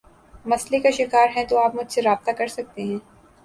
مسلئے کا شکار ہیں تو آپ مجھ سے رابطہ کر سکتے ہیں